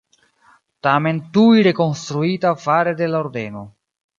Tamen tuj rekonstruita fare de la Ordeno.